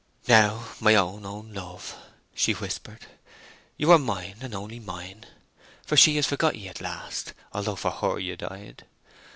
"Now, my own, own love," she whispered, "you are mine, and on'y mine; for she has forgot 'ee at last, although for her you died.